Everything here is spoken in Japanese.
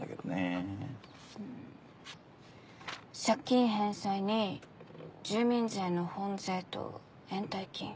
借金返済に住民税の本税と延滞金。